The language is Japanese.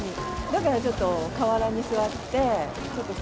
だからちょっと、河原に座って、ちょっと、